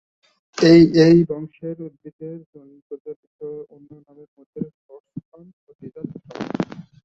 এই বংশের উদ্ভিদের প্রচলিত অন্য নামের মধ্যে রয়েছে "বক্স-থ্রোন" ও "ডিজার্ট-থ্রোন"।